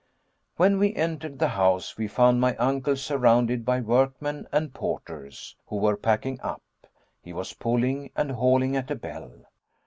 When we entered the house we found my uncle surrounded by workmen and porters, who were packing up. He was pulling and hauling at a bell.